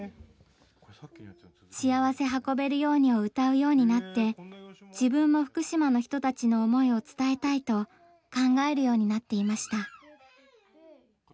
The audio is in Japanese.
「しあわせ運べるように」を歌うようになって「自分も福島の人たちの思いを伝えたい」と考えるようになっていました。